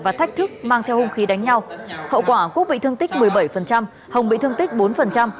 và thách thức mang theo hung khí đánh nhau hậu quả quốc bị thương tích một mươi bảy hồng bị thương tích bốn